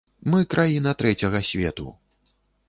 Мы краіна трэцяга свету!